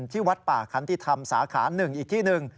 ที่วัดป่าคันติธรรมสาขา๑อีกที่หนึ่ง